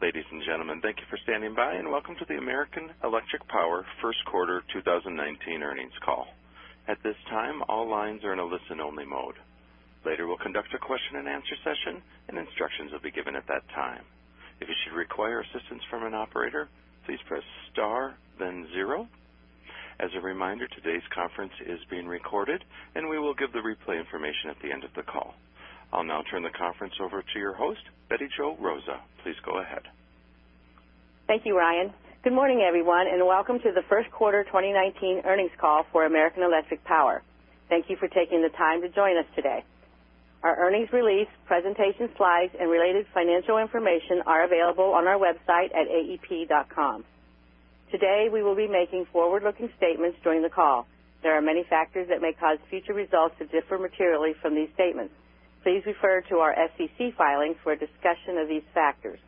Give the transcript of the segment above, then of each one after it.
Ladies and gentlemen, thank you for standing by. Welcome to the American Electric Power First Quarter 2019 Earnings Call. At this time, all lines are in a listen-only mode. Later, we'll conduct a question-and-answer session. Instructions will be given at that time. If you should require assistance from an operator, please press star then zero. As a reminder, today's conference is being recorded. We will give the replay information at the end of the call. I'll now turn the conference over to your host, Bette Jo Rozsa. Please go ahead. Thank you, Ryan. Good morning, everyone. Welcome to the First Quarter 2019 Earnings Call for American Electric Power. Thank you for taking the time to join us today. Our earnings release, presentation slides, and related financial information are available on our website at aep.com. We will be making forward-looking statements during the call. There are many factors that may cause future results to differ materially from these statements. Please refer to our SEC filings for a discussion of these factors.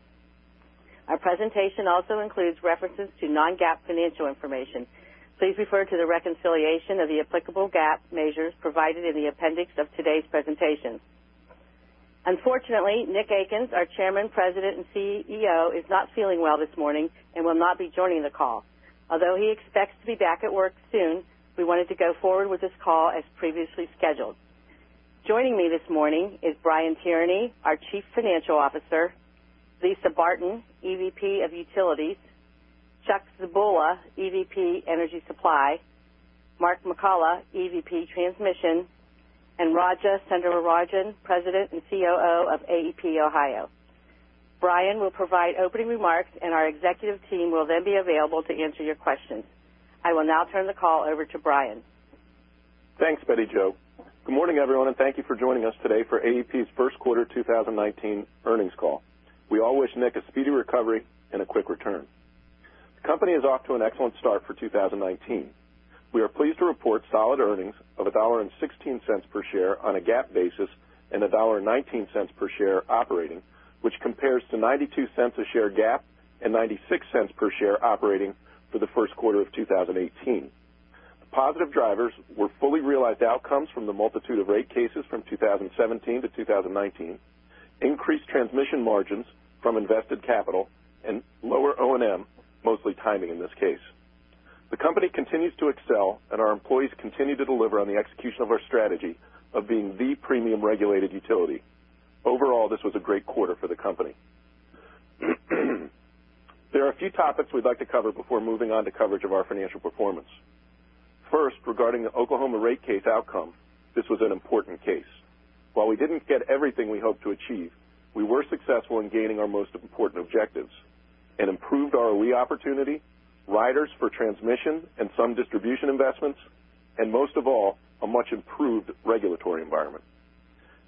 Our presentation also includes references to non-GAAP financial information. Please refer to the reconciliation of the applicable GAAP measures provided in the appendix of today's presentation. Unfortunately, Nick Akins, our Chairman, President, and CEO, is not feeling well this morning. Will not be joining the call. He expects to be back at work soon. We wanted to go forward with this call as previously scheduled. Joining me this morning is Brian Tierney, our Chief Financial Officer, Lisa Barton, EVP of Utilities, Chuck Zebula, EVP Energy Supply, Mark McCullough, EVP Transmission, and Raja Sundararajan, President and COO of AEP Ohio. Brian will provide opening remarks. Our executive team will then be available to answer your questions. I will now turn the call over to Brian. Thanks, Bette Jo. Good morning, everyone. Thank you for joining us today for AEP's first quarter 2019 earnings call. We all wish Nick a speedy recovery and a quick return. The company is off to an excellent start for 2019. We are pleased to report solid earnings of $1.16 per share on a GAAP basis and $1.19 per share operating, which compares to $0.92 a share GAAP and $0.96 per share operating for the first quarter of 2018. Positive drivers were fully realized outcomes from the multitude of rate cases from 2017 to 2019, increased transmission margins from invested capital. Lower O&M, mostly timing in this case. The company continues to excel. Our employees continue to deliver on the execution of our strategy of being the premium regulated utility. This was a great quarter for the company. There are a few topics we'd like to cover before moving on to coverage of our financial performance. First, regarding the Oklahoma rate case outcome. This was an important case. While we didn't get everything we hoped to achieve, we were successful in gaining our most important objectives: an improved ROE opportunity, riders for transmission and some distribution investments, and most of all, a much-improved regulatory environment.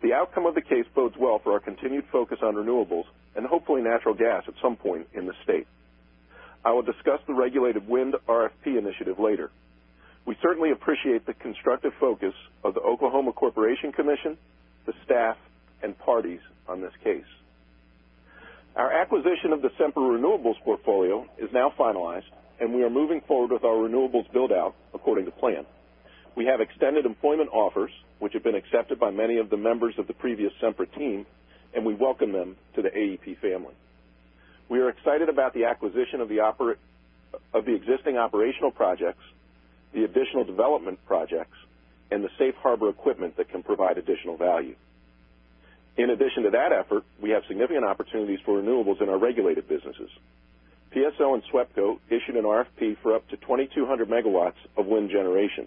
The outcome of the case bodes well for our continued focus on renewables and hopefully natural gas at some point in the state. I will discuss the regulated wind RFP initiative later. We certainly appreciate the constructive focus of the Oklahoma Corporation Commission, the staff, and parties on this case. Our acquisition of the Sempra Renewables portfolio is now finalized, and we are moving forward with our renewables build-out according to plan. We have extended employment offers, which have been accepted by many of the members of the previous Sempra team, and we welcome them to the AEP family. We are excited about the acquisition of the existing operational projects, the additional development projects, and the safe harbor equipment that can provide additional value. In addition to that effort, we have significant opportunities for renewables in our regulated businesses. PSO and SWEPCO issued an RFP for up to 2,200 megawatts of wind generation.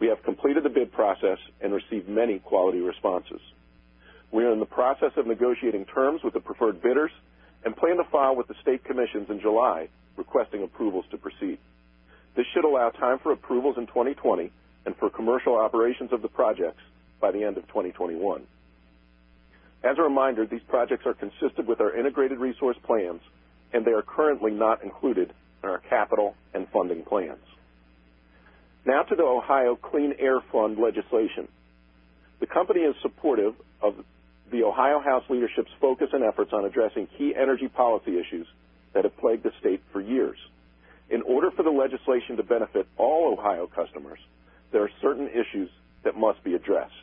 We have completed the bid process and received many quality responses. We are in the process of negotiating terms with the preferred bidders and plan to file with the state commissions in July requesting approvals to proceed. This should allow time for approvals in 2020 and for commercial operations of the projects by the end of 2021. As a reminder, these projects are consistent with our integrated resource plans, and they are currently not included in our capital and funding plans. Now to the Ohio Clean Air Fund legislation. The company is supportive of the Ohio House leadership's focus and efforts on addressing key energy policy issues that have plagued the state for years. In order for the legislation to benefit all Ohio customers, there are certain issues that must be addressed.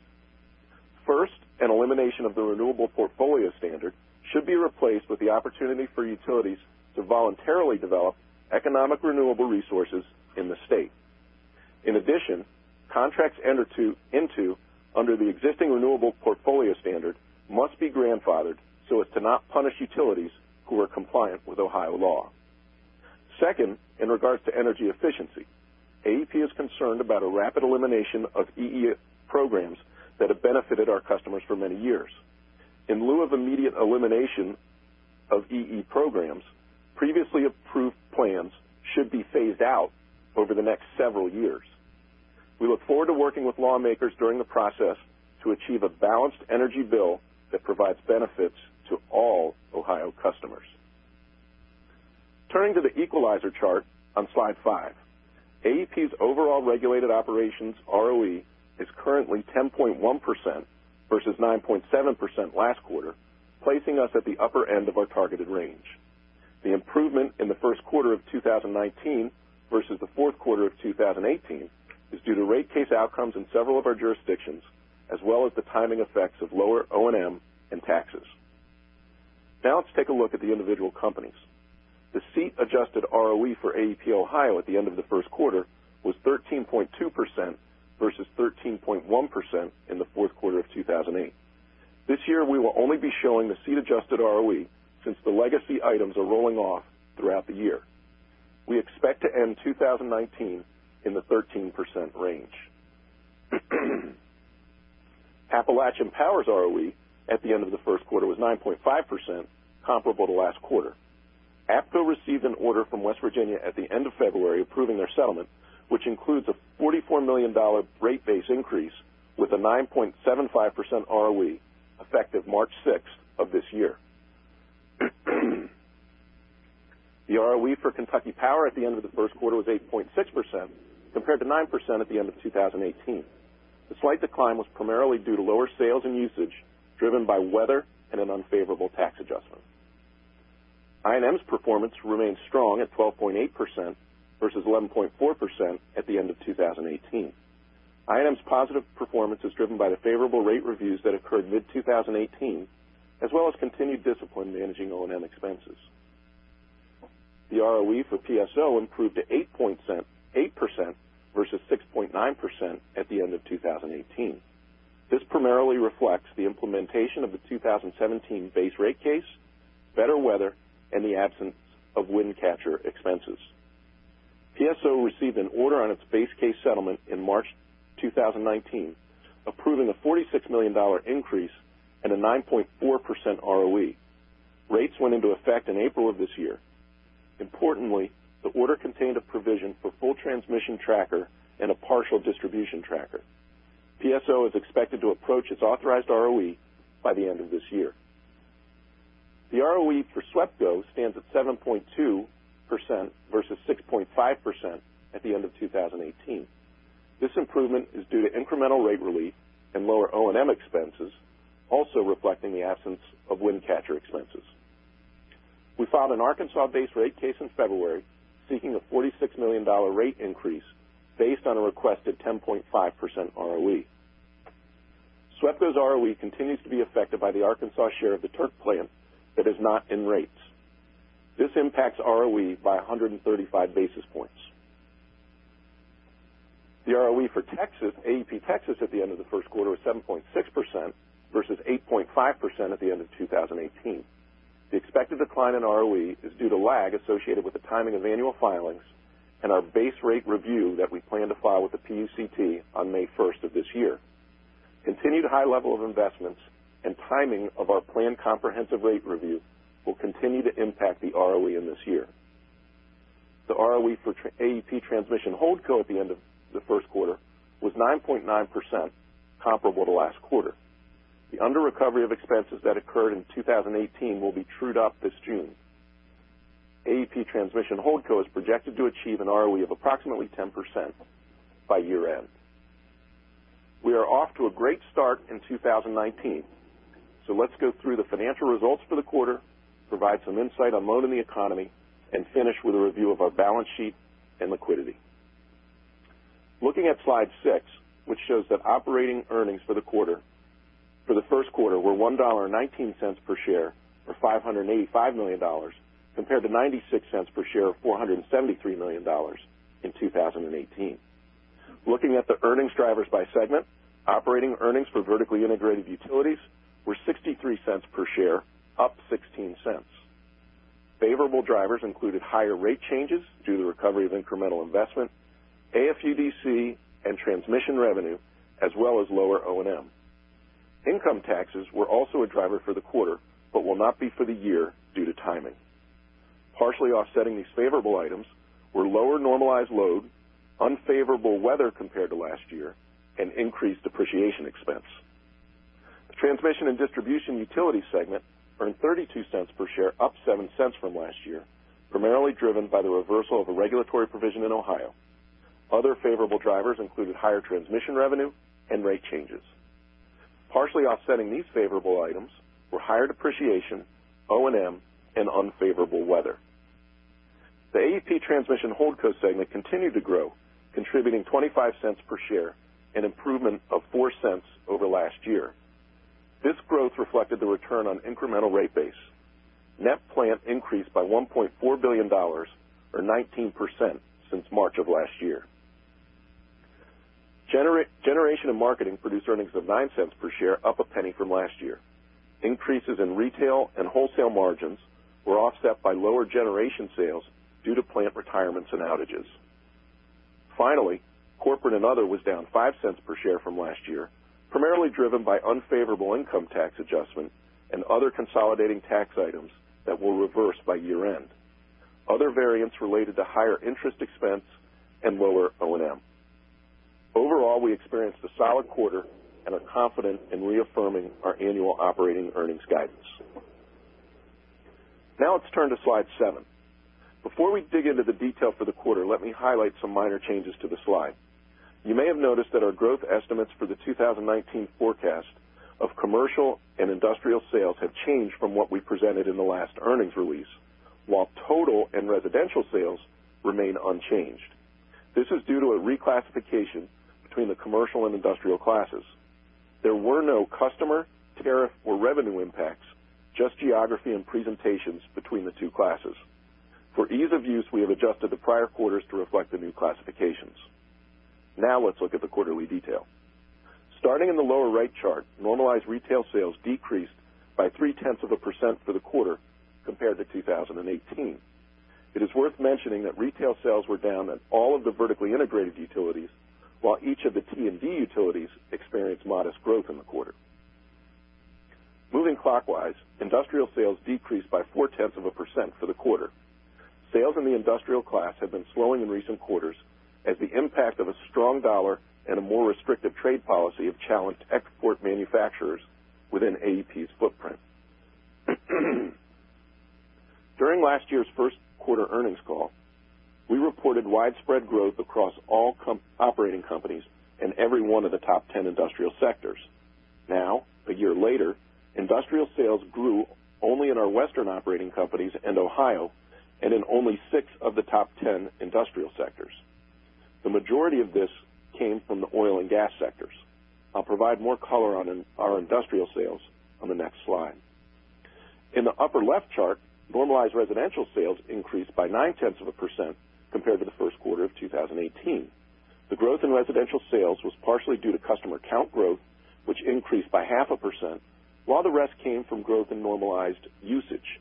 First, an elimination of the renewable portfolio standard should be replaced with the opportunity for utilities to voluntarily develop economic renewable resources in the state. In addition, contracts entered into under the existing renewable portfolio standard must be grandfathered so as to not punish utilities who are compliant with Ohio law. Second, in regard to energy efficiency, AEP is concerned about a rapid elimination of EE programs that have benefited our customers for many years. In lieu of immediate elimination of EE programs, previously approved plans should be phased out over the next several years. We look forward to working with lawmakers during the process to achieve a balanced energy bill that provides benefits to all Ohio customers. Turning to the equalizer chart on slide five. AEP's overall regulated operations ROE is currently 10.1% versus 9.7% last quarter, placing us at the upper end of our targeted range. The improvement in the first quarter of 2019 versus the fourth quarter of 2018 is due to rate case outcomes in several of our jurisdictions, as well as the timing effects of lower O&M and taxes. Now let's take a look at the individual companies. The CEE adjusted ROE for AEP Ohio at the end of the first quarter was 13.2% versus 13.1% in the fourth quarter of 2018. This year, we will only be showing the CEE-adjusted ROE since the legacy items are rolling off throughout the year. We expect to end 2019 in the 13% range. Appalachian Power's ROE at the end of the first quarter was 9.5%, comparable to last quarter. AEP received an order from West Virginia at the end of February approving their settlement, which includes a $44 million rate-based increase with a 9.75% ROE effective March 6th of this year. The ROE for Kentucky Power at the end of the first quarter was 8.6% compared to 9% at the end of 2018. The slight decline was primarily due to lower sales and usage, driven by weather and an unfavorable tax adjustment. I&M's performance remains strong at 12.8% versus 11.4% at the end of 2018. I&M's positive performance is driven by the favorable rate reviews that occurred mid-2018, as well as continued discipline managing O&M expenses. The ROE for PSO improved to 8% versus 6.9% at the end of 2018. This primarily reflects the implementation of the 2017 base rate case, better weather, and the absence of Wind Catcher expenses. PSO received an order on its base case settlement in March 2019, approving a $46 million increase and a 9.4% ROE. Rates went into effect in April of this year. Importantly, the order contained a provision for full transmission tracker and a partial distribution tracker. PSO is expected to approach its authorized ROE by the end of this year. The ROE for SWEPCO stands at 7.2% versus 6.5% at the end of 2018. This improvement is due to incremental rate relief and lower O&M expenses, also reflecting the absence of Wind Catcher expenses. We filed an Arkansas-based rate case in February seeking a $46 million rate increase based on a requested 10.5% ROE. SWEPCO's ROE continues to be affected by the Arkansas share of the Turk plant that is not in rates. This impacts ROE by 135 basis points. The ROE for AEP Texas at the end of the first quarter was 7.6% versus 8.5% at the end of 2018. The expected decline in ROE is due to lag associated with the timing of annual filings and our base rate review that we plan to file with the PUCT on May 1st of this year. Continued high level of investments and timing of our planned comprehensive rate review will continue to impact the ROE in this year. The ROE for AEP Transmission Holdco at the end of the first quarter was 9.9%, comparable to last quarter. The under-recovery of expenses that occurred in 2018 will be trued up this June. AEP Transmission Holdco is projected to achieve an ROE of approximately 10% by year-end. We are off to a great start in 2019. Let's go through the financial results for the quarter, provide some insight on loading the economy, and finish with a review of our balance sheet and liquidity. Looking at slide six, which shows that operating earnings for the quarter for the first quarter were $1.19 per share or $585 million compared to $0.96 per share of $473 million in 2018. Looking at the earnings drivers by segment, operating earnings for vertically integrated utilities were $0.63 per share, up $0.16. Favorable drivers included higher rate changes due to recovery of incremental investment, AFUDC, and transmission revenue, as well as lower O&M. Income taxes were also a driver for the quarter, but will not be for the year due to timing. Partially offsetting these favorable items were lower normalized load, unfavorable weather compared to last year, and increased depreciation expense. The transmission and distribution utility segment earned $0.32 per share, up $0.07 from last year, primarily driven by the reversal of a regulatory provision in Ohio. Other favorable drivers included higher transmission revenue and rate changes. Partially offsetting these favorable items were higher depreciation, O&M, and unfavorable weather. The AEP Transmission HoldCo segment continued to grow, contributing $0.25 per share, an improvement of $0.04 over last year. This growth reflected the return on incremental rate base. Net plant increased by $1.4 billion or 19% since March of last year. Generation and Marketing produced earnings of $0.09 per share, up $0.01 from last year. Increases in retail and wholesale margins were offset by lower generation sales due to plant retirements and outages. Corporate and Other was down $0.05 per share from last year, primarily driven by unfavorable income tax adjustments and other consolidating tax items that will reverse by year-end. Other variants related to higher interest expense and lower O&M. Overall, we experienced a solid quarter and are confident in reaffirming our annual operating earnings guidance. Now let's turn to slide seven. Before we dig into the detail for the quarter, let me highlight some minor changes to the slides. You may have noticed that our growth estimates for the 2019 forecast of commercial and industrial sales have changed from what we presented in the last earnings release, while total and residential sales remain unchanged. This is due to a reclassification between the commercial and industrial classes. There were no customer, tariff, or revenue impacts, just geography and presentations between the two classes. For ease of use, we have adjusted the prior quarters to reflect the new classifications. Now let's look at the quarterly detail. Starting in the lower right chart, normalized retail sales decreased by 0.3% for the quarter compared to 2018. It is worth mentioning that retail sales were down at all of the vertically integrated utilities, while each of the T&D utilities experienced modest growth in the quarter. Moving clockwise, industrial sales decreased by 0.4% for the quarter. Sales in the industrial class have been slowing in recent quarters as the impact of a strong dollar and a more restrictive trade policy have challenged export manufacturers within AEP's footprint. During last year's first quarter earnings call, we reported widespread growth across all operating companies in every one of the top 10 industrial sectors. Now, a year later, industrial sales grew only in our Western operating companies and Ohio, and in only six of the top 10 industrial sectors. The majority of this came from the oil and gas sectors. I'll provide more color on our industrial sales on the next slide. In the upper left chart, normalized residential sales increased by 0.9% compared to the first quarter of 2018. The growth in residential sales was partially due to customer count growth, which increased by 0.5%, while the rest came from growth in normalized usage.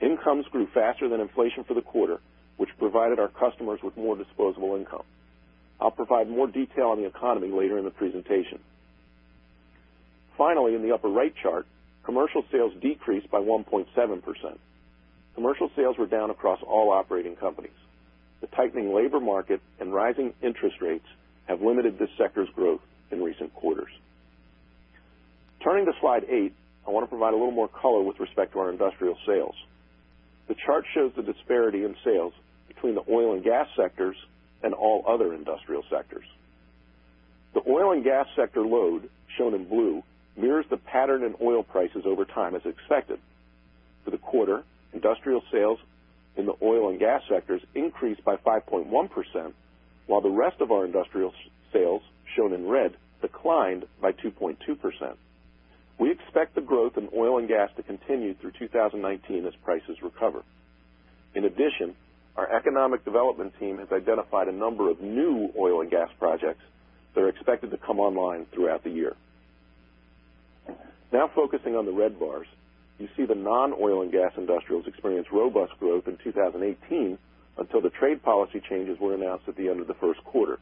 Incomes grew faster than inflation for the quarter, which provided our customers with more disposable income. I'll provide more detail on the economy later in the presentation. In the upper right chart, commercial sales decreased by 1.7%. Commercial sales were down across all operating companies. The tightening labor market and rising interest rates have limited this sector's growth in recent quarters. Turning to slide eight, I want to provide a little more color with respect to our industrial sales. The chart shows the disparity in sales between the oil and gas sectors and all other industrial sectors. The oil and gas sector load, shown in blue, mirrors the pattern in oil prices over time, as expected. For the quarter, industrial sales in the oil and gas sectors increased by 5.1%, while the rest of our industrial sales, shown in red, declined by 2.2%. We expect the growth in oil and gas to continue through 2019 as prices recover. Our economic development team has identified a number of new oil and gas projects that are expected to come online throughout the year. Focusing on the red bars. You see the non-oil and gas industrials experienced robust growth in 2018 until the trade policy changes were announced at the end of the first quarter.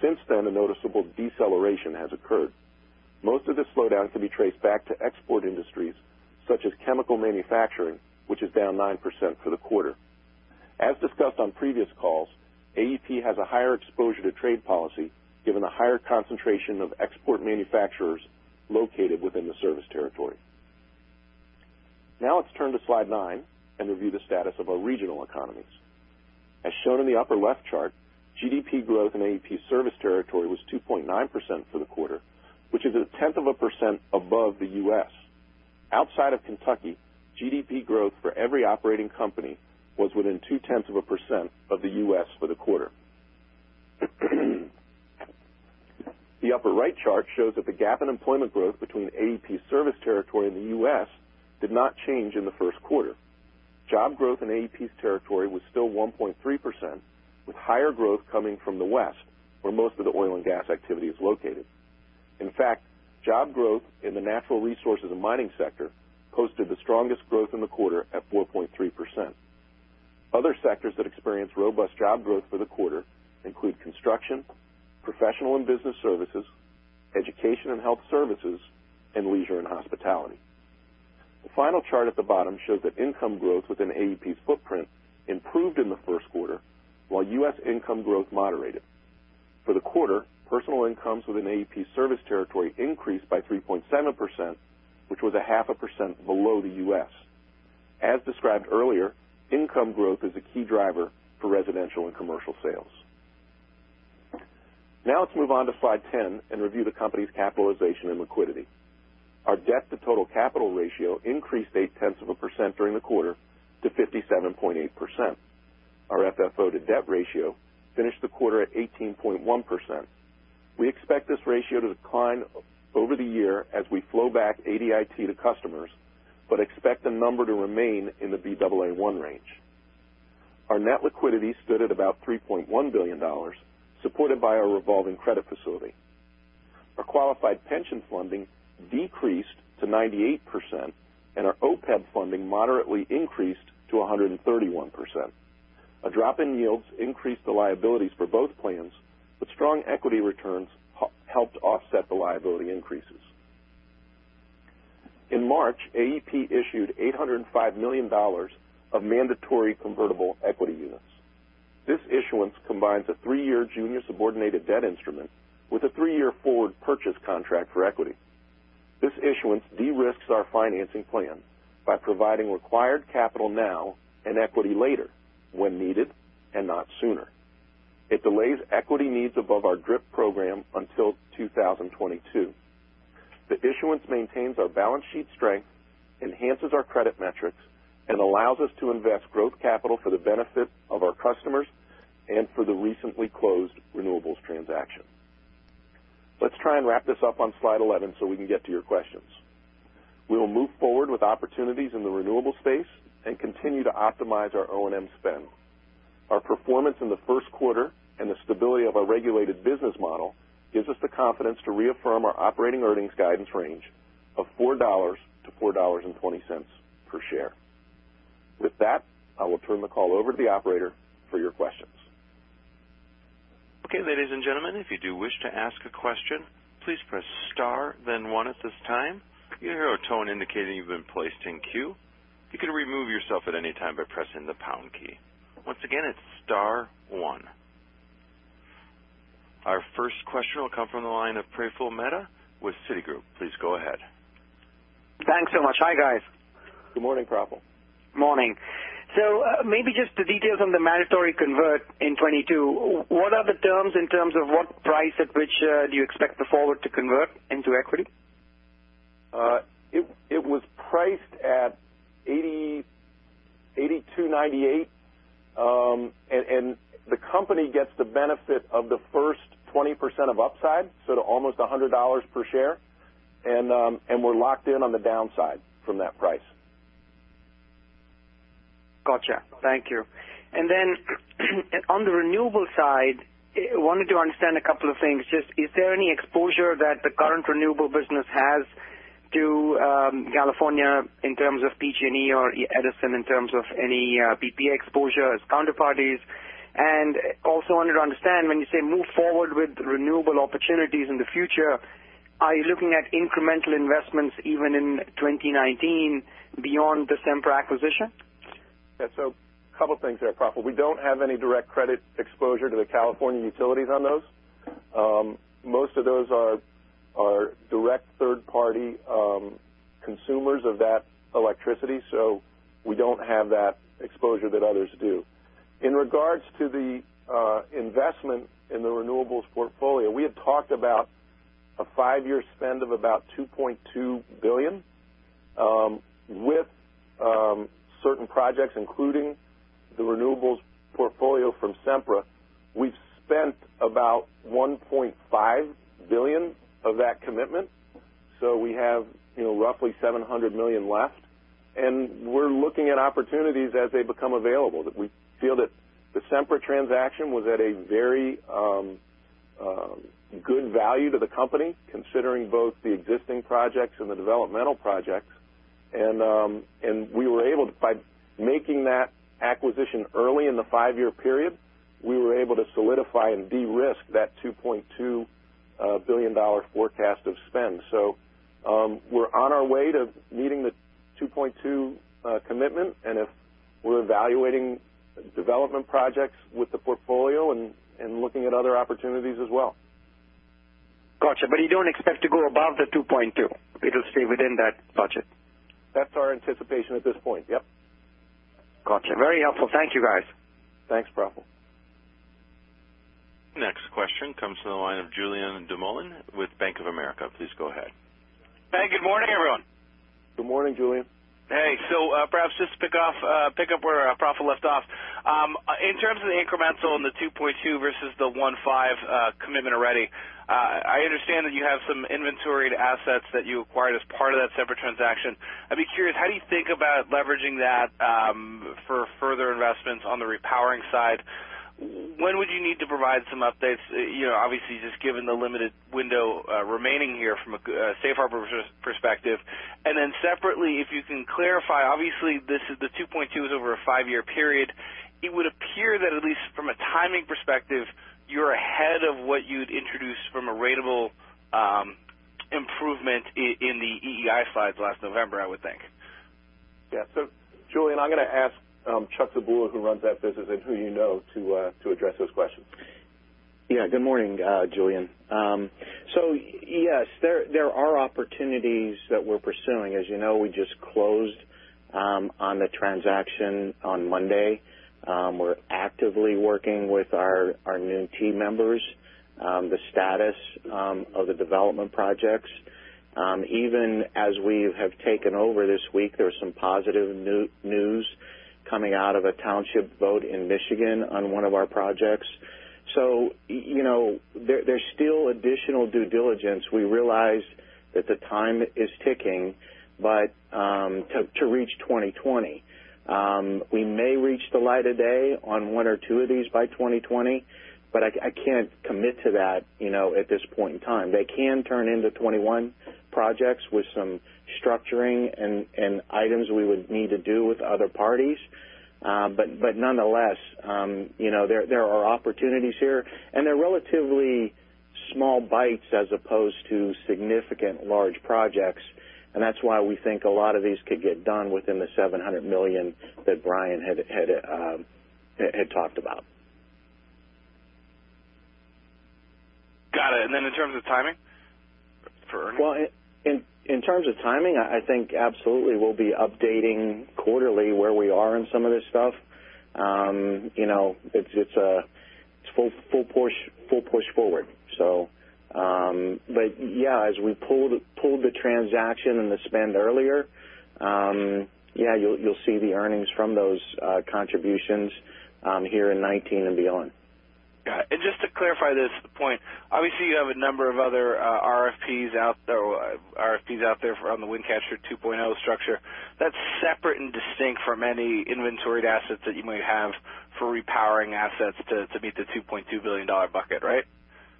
Since then, a noticeable deceleration has occurred. Most of the slowdown can be traced back to export industries such as chemical manufacturing, which is down 9% for the quarter. As discussed on previous calls, AEP has a higher exposure to trade policy given the higher concentration of export manufacturers located within the service territory. Let's turn to slide nine and review the status of our regional economies. Shown in the upper left chart, GDP growth in AEP's service territory was 2.9% for the quarter, which is a tenth of a percent above the U.S. Outside of Kentucky, GDP growth for every operating company was within two tenths of a percent of the U.S. for the quarter. The upper right chart shows that the gap in employment growth between AEP's service territory and the U.S. did not change in the first quarter. Job growth in AEP's territory was still 1.3%, with higher growth coming from the West, where most of the oil and gas activity is located. In fact, job growth in the natural resources and mining sector posted the strongest growth in the quarter at 4.3%. Other sectors that experienced robust job growth for the quarter include construction, professional and business services, education and health services, and leisure and hospitality. The final chart at the bottom shows that income growth within AEP's footprint improved in the first quarter while U.S. income growth moderated. For the quarter, personal incomes within AEP's service territory increased by 3.7%, which was a half a percent below the U.S. Income growth is a key driver for residential and commercial sales. Let's move on to slide 10 and review the company's capitalization and liquidity. Our debt-to-total capital ratio increased eight tenths of a percent during the quarter to 57.8%. Our FFO to debt ratio finished the quarter at 18.1%. We expect this ratio to decline over the year as we flow back ADIT to customers, but expect the number to remain in the Baa1 range. Our net liquidity stood at about $3.1 billion, supported by our revolving credit facility. Our qualified pension funding decreased to 98%, and our OPEB funding moderately increased to 131%. A drop in yields increased the liabilities for both plans, but strong equity returns helped offset the liability increases. In March, AEP issued $805 million of mandatory convertible equity units. This issuance combines a three-year junior subordinated debt instrument with a three-year forward purchase contract for equity. This issuance de-risks our financing plan by providing required capital now and equity later, when needed and not sooner. It delays equity needs above our DRIP program until 2022. This issuance maintains our balance sheet strength, enhances our credit metrics, and allows us to invest growth capital for the benefit of our customers and for the recently closed renewables transaction. Let's try and wrap this up on slide 11 so we can get to your questions. We will move forward with opportunities in the renewable space and continue to optimize our O&M spend. Our performance in the first quarter and the stability of our regulated business model gives us the confidence to reaffirm our operating earnings guidance range of $4 to $4.20 per share. With that, I will turn the call over to the operator for your questions. Okay, ladies and gentlemen, if you do wish to ask a question, please press star then one at this time. You'll hear a tone indicating you've been placed in queue. You can remove yourself at any time by pressing the pound key. Once again, it's star one. Our first question will come from the line of Praful Mehta with Citigroup. Please go ahead. Thanks so much. Hi, guys. Good morning, Praful. Morning. Maybe just the details on the mandatory convert in 2022. What are the terms in terms of what price at which do you expect the forward to convert into equity? It was priced at $82.98. The company gets the benefit of the first 20% of upside, to almost $100 per share. We're locked in on the downside from that price. Gotcha. Thank you. Then on the renewable side, wanted to understand a couple of things. Just, is there any exposure that the current renewable business has to California in terms of PG&E or Edison in terms of any PPA exposure as counterparties? Also wanted to understand when you say move forward with renewable opportunities in the future, are you looking at incremental investments even in 2019 beyond the Sempra acquisition? A couple things there, Praful. We don't have any direct credit exposure to the California utilities on those. Most of those are direct third-party consumers of that electricity, so we don't have that exposure that others do. In regards to the investment in the renewables portfolio, we have talked about a five-year spend of about $2.2 billion, with certain projects, including the renewables portfolio from Sempra. We've spent about $1.5 billion of that commitment. We have roughly $700 million left, and we're looking at opportunities as they become available, that we feel that the Sempra transaction was at a very good value to the company, considering both the existing projects and the developmental projects. We were able, by making that acquisition early in the five-year period, we were able to solidify and de-risk that $2.2 billion forecast of spend. We're on our way to meeting the $2.2 commitment, and we're evaluating development projects with the portfolio and looking at other opportunities as well. Gotcha. You don't expect to go above the $2.2. It'll stay within that budget. That's our anticipation at this point. Yep. Gotcha. Very helpful. Thank you, guys. Thanks, Praful. Next question comes from the line of Julien Dumoulin-Smith with Bank of America. Please go ahead. Hey, good morning, everyone. Good morning, Julien. Hey. Perhaps just to pick up where Praful left off. In terms of the incremental on the 2.2 versus the 1.5 commitment already, I understand that you have some inventoried assets that you acquired as part of that Sempra transaction. I'd be curious, how do you think about leveraging that for further investments on the repowering side? When would you need to provide some updates? Obviously, just given the limited window remaining here from a safe harbor perspective. Separately, if you can clarify, obviously, this is the 2.2 is over a five-year period. It would appear that at least from a timing perspective, you're ahead of what you'd introduced from a ratable improvement in the EEI files last November, I would think. Yeah. Julien, I'm going to ask Chuck, who runs that business and who you know, to address those questions. Yeah. Good morning, Julien. Yes, there are opportunities that we're pursuing. As you know, we just closed on the transaction on Monday. We're actively working with our new team members. The status of the development projects, even as we have taken over this week, there's some positive news coming out of a township vote in Michigan on one of our projects. There's still additional due diligence. We realize that the time is ticking, but to reach 2020. We may reach the light of day on one or two of these by 2020, but I can't commit to that at this point in time. They can turn into 2021 projects with some structuring and items we would need to do with other parties. Nonetheless, there are opportunities here, and they're relatively small bites as opposed to significant large projects. That's why we think a lot of these could get done within the $700 million that Brian had talked about. Got it. In terms of timing for earnings? Well, in terms of timing, I think absolutely we'll be updating quarterly where we are in some of this stuff. It's full push forward. Yeah, as we pulled the transaction and the spend earlier, you'll see the earnings from those contributions here in 2019 and beyond. Got it. Just to clarify this point, obviously you have a number of other RFPs out there from the Wind Catcher 2.0 structure. That's separate and distinct from any inventoried assets that you might have for repowering assets to meet the $2.2 billion bucket, right?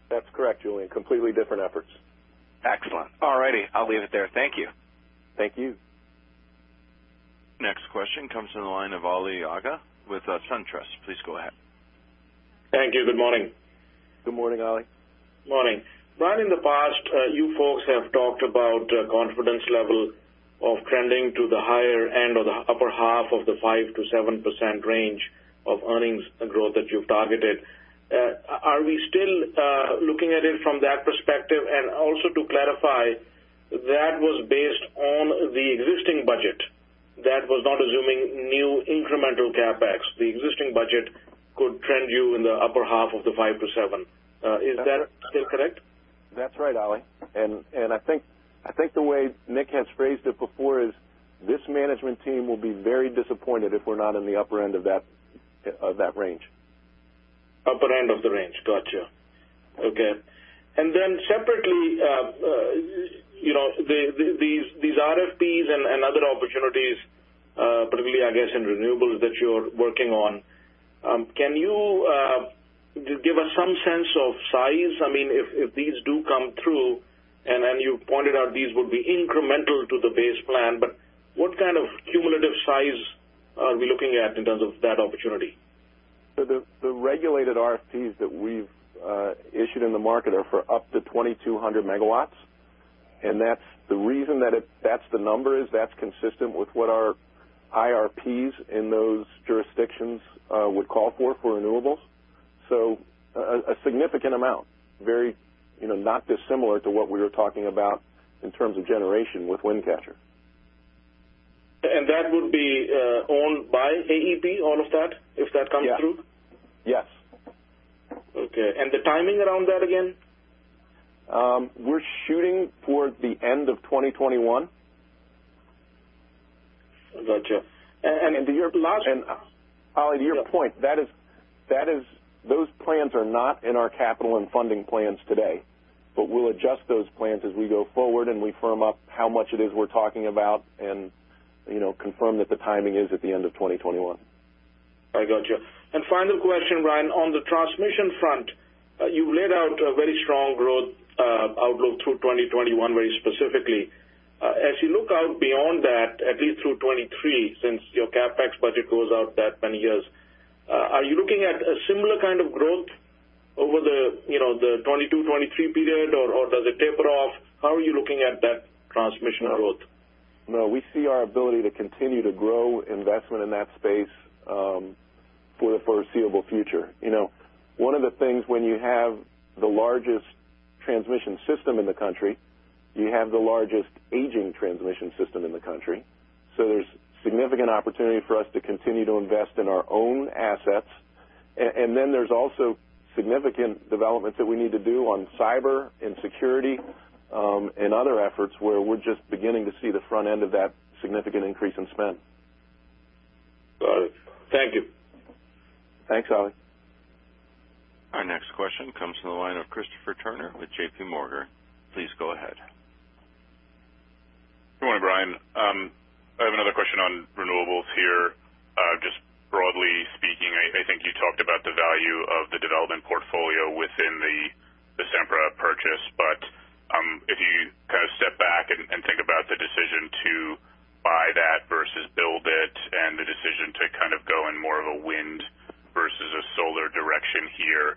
That's correct, Julien. Completely different efforts. Excellent. All righty, I'll leave it there. Thank you. Thank you. Next question comes from the line of Ali Agha with SunTrust. Please go ahead. Thank you. Good morning. Good morning, Ali. Morning. Brian, in the past, you folks have talked about confidence level of trending to the higher end or the upper half of the 5%-7% range of earnings growth that you've targeted. Are we still looking at it from that perspective? Also to clarify, that was based on the existing budget. That was not assuming new incremental CapEx. The existing budget could trend you in the upper half of the 5%-7%. Is that still correct? That's right, Ali. I think the way Nick has phrased it before is, this management team will be very disappointed if we're not in the upper end of that range. Upper end of the range. Got you. Okay. Separately, these RFPs and other opportunities, particularly I guess in renewables that you're working on, can you give us some sense of size? If these do come through, as you pointed out, these would be incremental to the base plan, what kind of cumulative size are we looking at in terms of that opportunity? The regulated RFPs that we've issued in the market are for up to 2,200 megawatts. The reason that's the number is that's consistent with what our IRPs in those jurisdictions would call for renewables. A significant amount, very not dissimilar to what we were talking about in terms of generation with Wind Catcher. That would be owned by AEP, all of that, if that comes through? Yes. Okay. The timing around that again? We're shooting toward the end of 2021. Gotcha. Ali, to your point, those plans are not in our capital and funding plans today. We'll adjust those plans as we go forward and we firm up how much it is we're talking about and confirm that the timing is at the end of 2021. I got you. Final question, Brian. On the transmission front, you laid out a very strong growth outlook through 2021 very specifically. As you look out beyond that, at least through 2023, since your CapEx budget goes out that many years, are you looking at a similar kind of growth over the 2022, 2023 period, or does it taper off? How are you looking at that transmission growth? No, we see our ability to continue to grow investment in that space for the foreseeable future. One of the things when you have the largest transmission system in the country, you have the largest aging transmission system in the country. There's significant opportunity for us to continue to invest in our own assets. There's also significant development that we need to do on cyber and security, and other efforts where we're just beginning to see the front end of that significant increase in spend. Got it. Thank you. Thanks, Ali. Our next question comes from the line of Christopher Turnure with JPMorgan. Please go ahead. Good morning, Brian. I have another question on renewables here. Just broadly speaking, I think you talked about the value of the development portfolio within the Sempra purchase. If you kind of step back and think about the decision to buy that versus build it and the decision to kind of go in more of a wind versus a solar direction here,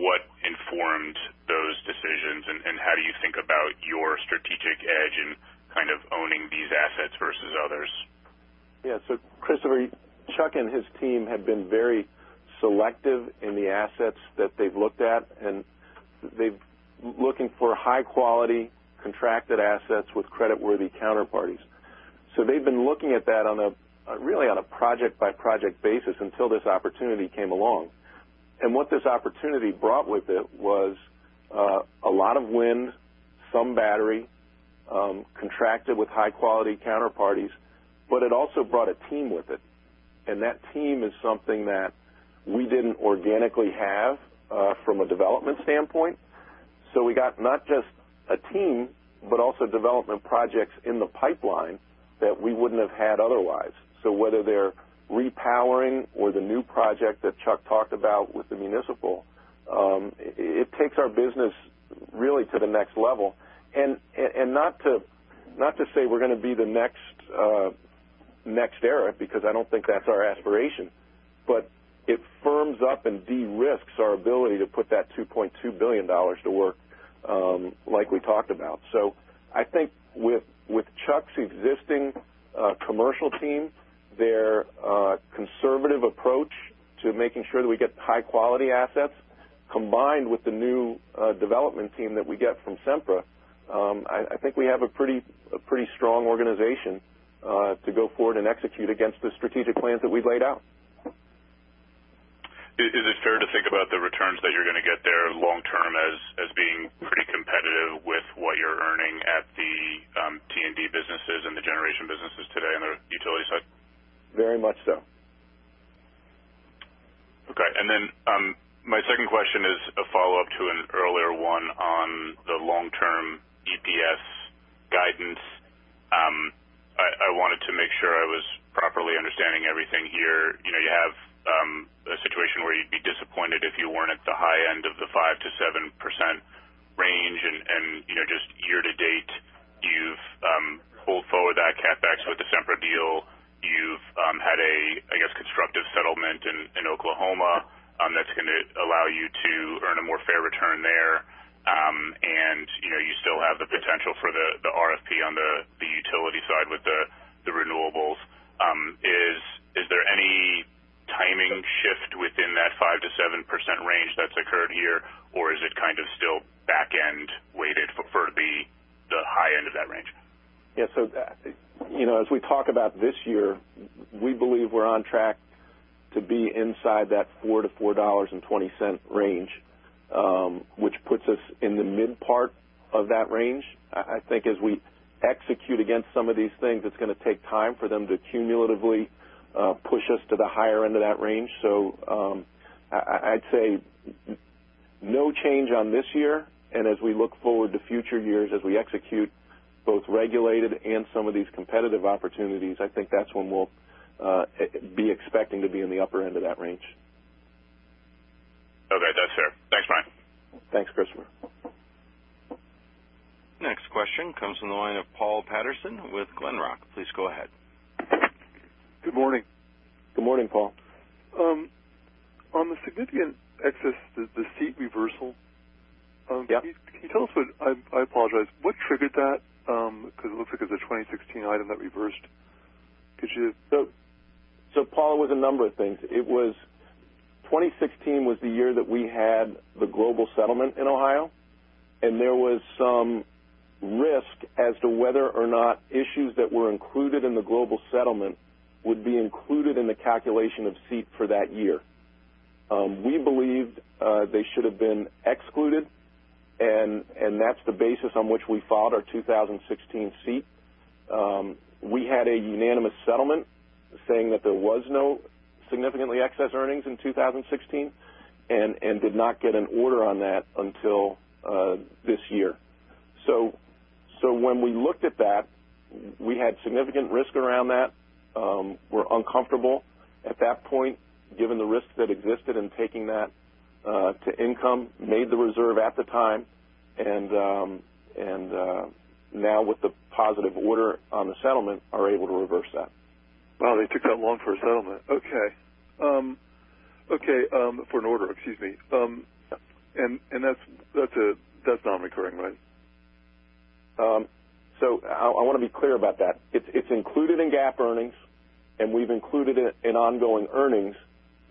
what informed those decisions and how do you think about your strategic edge in kind of owning these assets versus others? Yeah. Christopher, Chuck and his team have been very selective in the assets that they've looked at, they're looking for high-quality contracted assets with creditworthy counterparties. They've been looking at that really on a project-by-project basis until this opportunity came along. What this opportunity brought with it was a lot of wind, some battery, contracted with high-quality counterparties, it also brought a team with it. That team is something that we didn't organically have from a development standpoint. We got not just a team, but also development projects in the pipeline that we wouldn't have had otherwise. Whether they're repowering or the new project that Chuck talked about with Cove Point, it takes our business really to the next level. Not to say we're going to be the next NextEra, because I don't think that's our aspiration. It firms up and de-risks our ability to put that $2.2 billion to work, like we talked about. I think with Chuck's existing commercial team, their conservative approach to making sure that we get high-quality assets, combined with the new development team that we get from Sempra, I think we have a pretty strong organization to go forward and execute against the strategic plan that we've laid out. Is it fair to think about the returns that you're going to get there long-term as being pretty competitive with what you're earning at the T&D businesses and the generation businesses today on the utility side? Very much so. Okay. My second question is a follow-up to an earlier one on the long-term EPS guidance. I wanted to make sure I was properly understanding everything here. You have a situation where you'd be disappointed if you weren't at the high end of the 5%-7% range. Just year-to-date, you've pulled forward that CapEx with the Sempra deal. You've had a, I guess, constructive settlement in Oklahoma that's going to allow you to earn a more fair return there. You still have the potential for the RFP on the utility side with the renewables. Is there any timing shift within that 5%-7% range that's occurred here? Is it kind of still back-end weighted for it to be the high end of that range? Yeah. As we talk about this year, we believe we're on track to be inside that $4-$4.20 range, which puts us in the mid part of that range. I think as we execute against some of these things, it's going to take time for them to cumulatively push us to the higher end of that range. I'd say no change on this year. As we look forward to future years, as we execute both regulated and some of these competitive opportunities, I think that's when we'll be expecting to be in the upper end of that range. Okay. That's fair. Thanks, Brian. Thanks, Christopher. Next question comes from the line of Paul Patterson with Glenrock. Please go ahead. Good morning. Good morning, Paul. On the significant excess, the CECL reversal. Yeah. Can you tell us what, I apologize, what triggered that? It looks like it's a 2016 item that reversed. Could you? Paul, it was a number of things. 2016 was the year that we had the global settlement in Ohio, and there was some risk as to whether or not issues that were included in the global settlement would be included in the calculation of CECL for that year. We believed they should have been excluded, and that's the basis on which we filed our 2016 CECL. We had a unanimous settlement saying that there was no significantly excess earnings in 2016, and did not get an order on that until this year. When we looked at that, we had significant risk around that. We were uncomfortable at that point, given the risk that existed in taking that to income, made the reserve at the time, and now with the positive order on the settlement, are able to reverse that. Well, they took that long for settlement. Okay. For an order, excuse me. That's not recurring, right? I want to be clear about that. It's included in GAAP earnings, and we've included it in ongoing earnings,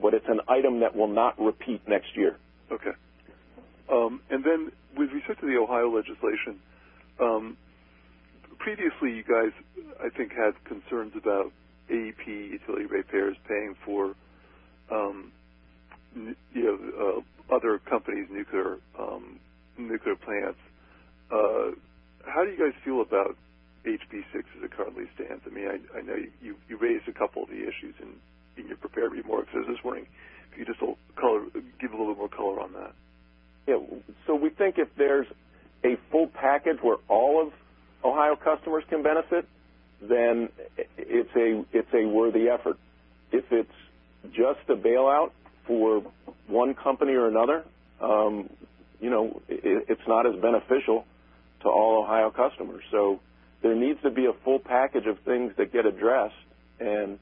but it's an item that will not repeat next year. Okay. With respect to the Ohio legislation, previously, you guys, I think, had concerns about AEP utility ratepayers paying for other companies' nuclear plants. How do you guys feel about HB6 as it currently stands? I mean, I know you've raised a couple of the issues in your prepared remarks this morning. If you just give a little color on that. We think if there's a full package where all of Ohio customers can benefit, then it's a worthy effort. If it's just a bailout for one company or another, it's not as beneficial to all Ohio customers. There needs to be a full package of things that get addressed. Energy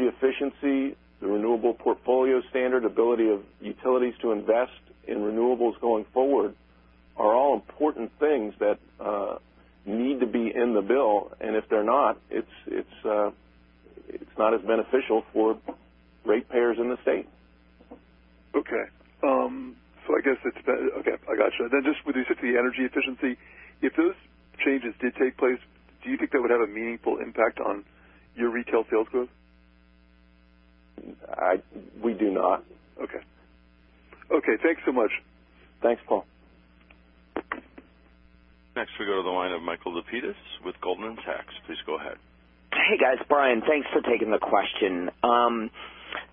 efficiency, the renewable portfolio standard ability of utilities to invest in renewables going forward are all important things that need to be in the bill. If they're not, it's not as beneficial for ratepayers in the state. Okay. Okay, I got you. Just with respect to the energy efficiency, if those changes did take place, do you think that would have a meaningful impact on your retail sales growth? We do not. Okay. Thanks so much. Thanks, Paul. Next, we go to the line of Michael Lapides with Goldman Sachs. Please go ahead. Hey, guys. Brian, thanks for taking the question.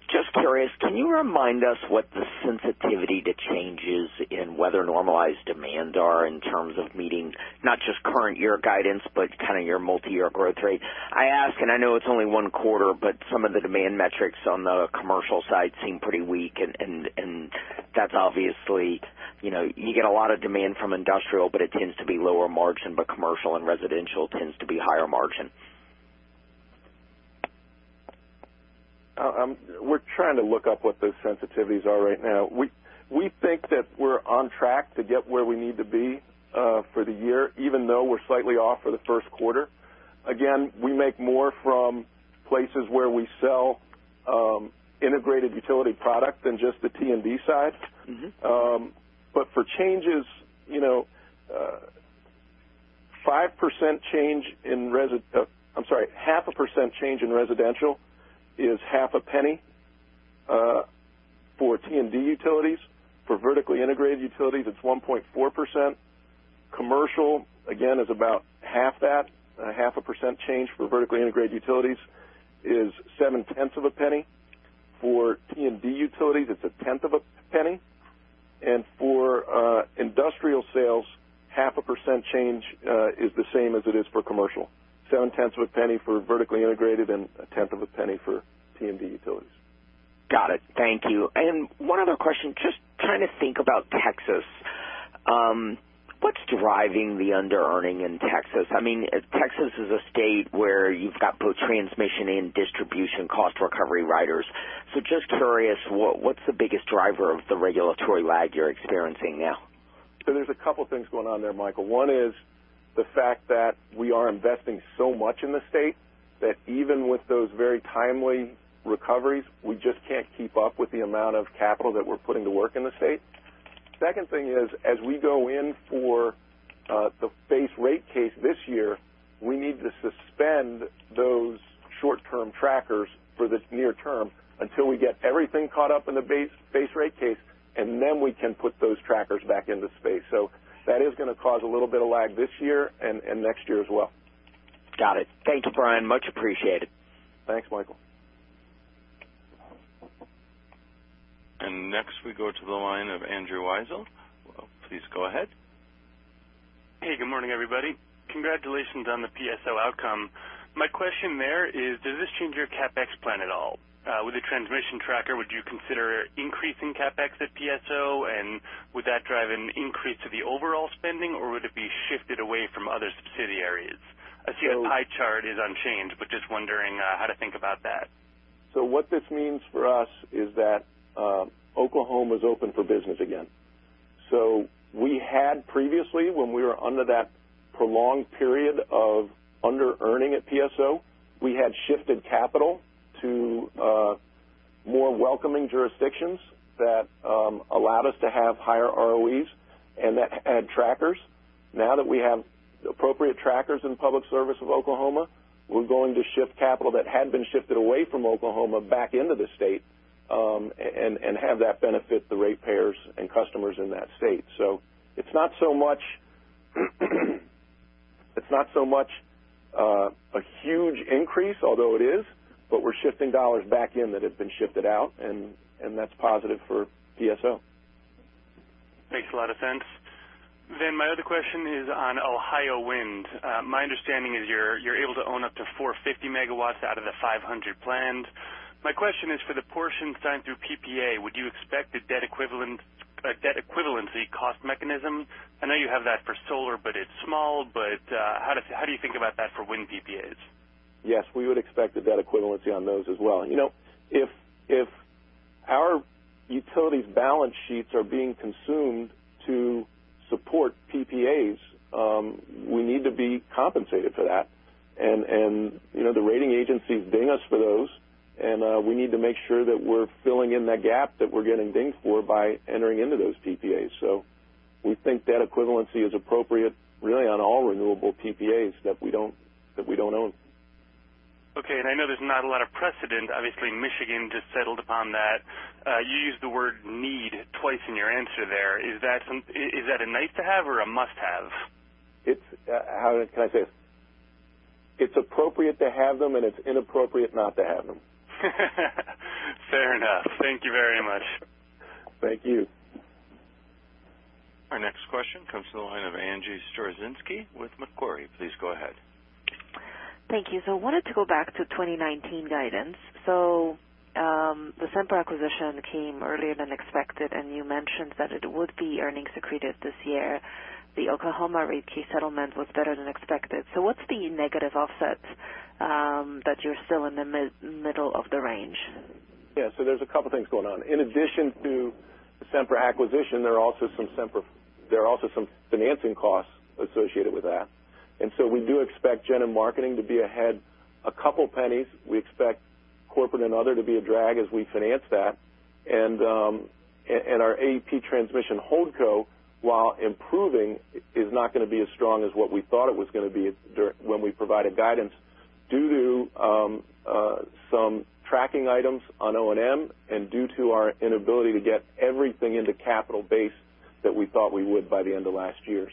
Just curious, can you remind us what the sensitivity to changes in weather-normalized demand are in terms of meeting not just current year guidance, but kind of your multi-year growth rate? I ask, I know it's only one quarter, but some of the demand metrics on the commercial side seem pretty weak, that's obviously you get a lot of demand from industrial, but it tends to be lower margin. Commercial and residential tends to be higher margin. We're trying to look up what those sensitivities are right now. We think that we're on track to get where we need to be for the year, even though we're slightly off for the first quarter. Again, we make more from places where we sell integrated utility product than just the T&D side. For changes, 0.5% change in residential is $0.005. For T&D utilities, for vertically integrated utilities, it's 1.4%. Commercial, again, is about half that. A 0.5% change for vertically integrated utilities is $0.007. For T&D utilities, it's $0.001. For industrial sales, 0.5% change is the same as it is for commercial, $0.007 for vertically integrated and $0.001 for T&D utilities. Got it. Thank you. One other question, just trying to think about Texas. What's driving the underearning in Texas? Texas is a state where you've got both transmission and distribution cost recovery riders. Just curious, what's the biggest driver of the regulatory lag you're experiencing now? There's a couple things going on there, Michael. One is the fact that we are investing so much in the state that even with those very timely recoveries, we just can't keep up with the amount of capital that we're putting to work in the state. Second thing is, as we go in for the base rate case this year, we need to suspend those short-term trackers for the near term until we get everything caught up in the base rate case, and then we can put those trackers back into place. That is going to cause a little bit of lag this year and next year as well. Got it. Thank you, Brian. Much appreciated. Thanks, Michael. Next we go to the line of Andrew Weisel. Please go ahead. Hey, good morning, everybody. Congratulations on the PSO outcome. My question there is, does this change your CapEx plan at all? With the transmission tracker, would you consider increasing CapEx at PSO and would that drive an increase to the overall spending, or would it be shifted away from other subsidiaries? I see your pie chart is unchanged, but just wondering how to think about that. What this means for us is that Oklahoma's open for business again. We had previously, when we were under that prolonged period of underearning at PSO, we had shifted capital to more welcoming jurisdictions that allowed us to have higher ROEs and that had trackers. Now that we have the appropriate trackers in Public Service of Oklahoma, we're going to shift capital that had been shifted away from Oklahoma back into the state, and have that benefit the ratepayers and customers in that state. It's not so much a huge increase, although it is, but we're shifting dollars back in that had been shifted out, and that's positive for PSO. Makes a lot of sense. My other question is on Ohio wind. My understanding is you're able to own up to 450 megawatts out of the 500 planned. My question is for the portion done through PPA, would you expect a debt equivalence cost mechanism? I know you have that for solar, but it's small. How do you think about that for wind PPAs? Yes, we would expect a debt equivalence on those as well. If our utilities' balance sheets are being consumed to support PPAs, we need to be compensated for that. The rating agencies ding us for those, and we need to make sure that we're filling in that gap that we're getting dinged for by entering into those PPAs. We think debt equivalence is appropriate really on all renewable PPAs that we don't own. Okay. I know there's not a lot of precedent. Obviously, Michigan just settled upon that. You used the word need twice in your answer there. Is that a nice to have or a must-have? How can I say this? It's appropriate to have them, and it's inappropriate not to have them. Fair enough. Thank you very much. Thank you. Our next question comes to the line of Angie Storozynski with Macquarie. Please go ahead. Thank you. I wanted to go back to 2019 guidance. The Sempra acquisition came earlier than expected, and you mentioned that it would be earnings accretive this year. The Oklahoma rate case settlement was better than expected. What's the negative offset that you're still in the middle of the range? There's a couple things going on. In addition to the Sempra acquisition, there are also some financing costs associated with that. We do expect Generation and Marketing to be ahead a couple pennies. We expect Corporate and Other to be a drag as we finance that. Our AEP Transmission Holdco, while improving, is not going to be as strong as what we thought it was going to be when we provided guidance due to some tracking items on O&M and due to our inability to get everything into capital base that we thought we would by the end of last year.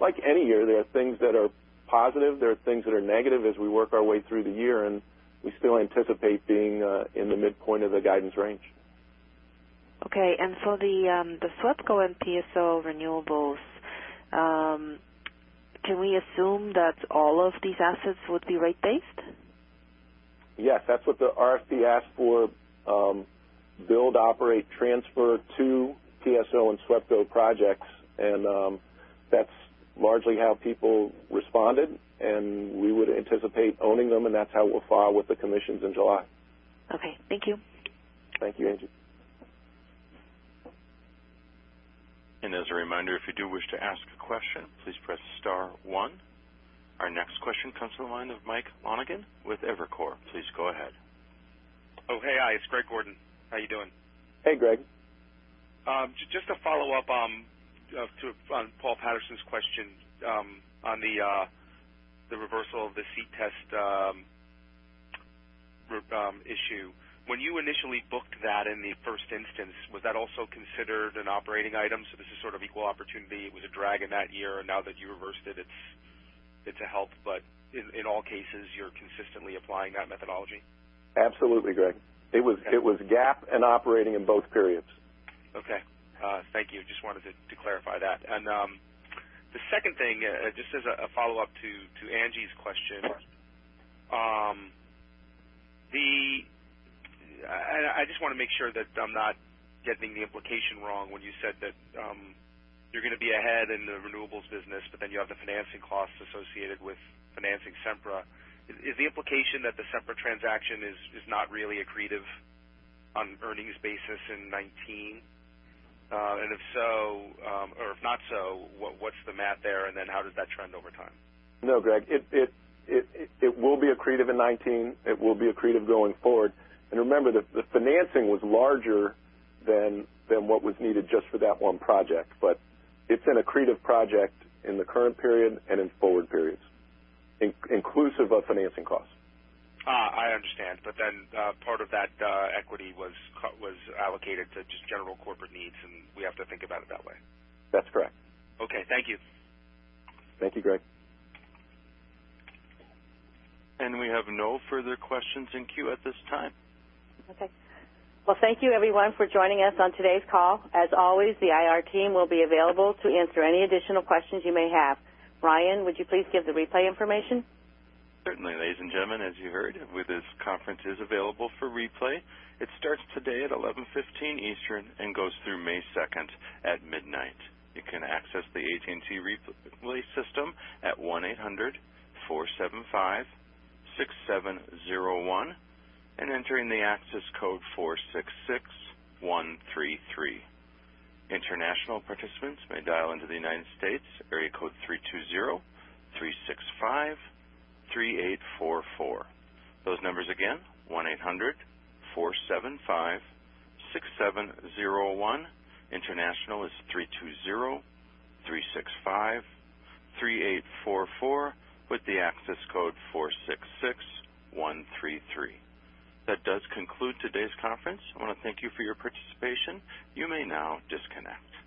Like any year, there are things that are positive, there are things that are negative as we work our way through the year, and we still anticipate being in the midpoint of the guidance range. For the proposed go at PSO renewables, can we assume that all of these assets would be rate-based? Yes, that's what the RFP asked for-build, operate, transfer to PSO and SWEPCO projects. That's largely how people responded, and we would anticipate owning them, and that's how we'll file with the commissions in July. Okay. Thank you. Thank you, Angie. As a reminder, if you do wish to ask a question, please press star one. Our next question comes from the line of Mike Monaghan with Evercore. Please go ahead. Hey. Hi, it's Greg Gordon. How you doing? Hey, Greg. Just to follow up on Paul Patterson's question on the reversal of the SEET test issue. When you initially booked that in the first instance, was that also considered an operating item? This is sort of equal opportunity. It was a drag in that year, and now that you reversed it's a help. In all cases, you're consistently applying that methodology? Absolutely, Greg. It was a GAAP in operating in both periods. Okay. Thank you. Just wanted to clarify that. The second thing, just as a follow-up to Angie's question. I just want to make sure that I'm not getting the implication wrong when you said that you're going to be ahead in the renewables business, but then you have the financing costs associated with financing Sempra. Is the implication that the Sempra transaction is not really accretive on earnings basis in 2019? If so, or if not so, what's the math there? How does that trend over time? No, Greg, it will be accretive in 2019. It will be accretive going forward. Remember that the financing was larger than what was needed just for that one project. It's an accretive project in the current period and in forward periods, inclusive of financing costs. I understand. Part of that equity was allocated to just general corporate needs, and we have to think about it that way. That's correct. Okay. Thank you. Thank you, Greg. We have no further questions in queue at this time. Okay. Well, thank you everyone for joining us on today's call. As always, the IR team will be available to answer any additional questions you may have. Brian, would you please give the replay information? Certainly, ladies and gentlemen. As you heard, this conference is available for replay. It starts today at 11:15 Eastern and goes through May 2nd at midnight. You can access the AT&T replay system at 1-800-475-6701 and entering the access code 466133. International participants may dial into the United States area code 320-365-3844. Those numbers again, 1-800-475-6701. International is 320-365-3844 with the access code 466133. That does conclude today's conference. I want to thank you for your participation. You may now disconnect.